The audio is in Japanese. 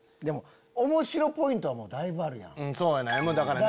おもしろポイントはだいぶあるやん。